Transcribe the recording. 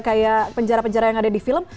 kayak penjara penjara yang ada di film